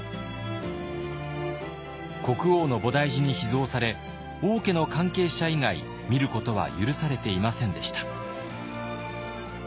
国王の菩提寺に秘蔵され王家の関係者以外見ることは許されていませんでした。